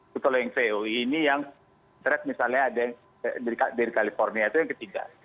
kalau yang vo ini yang track misalnya ada yang dari california itu yang ketiga